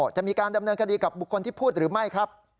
จะมีการดำเนินคดีกับบุคคลที่พูดหรือไม่ครับ